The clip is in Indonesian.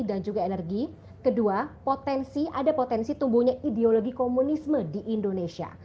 dan juga energi kedua potensi ada potensi tumbuhnya ideologi komunisme di indonesia